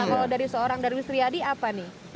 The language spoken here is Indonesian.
kalau dari seorang dari wistri adi apa nih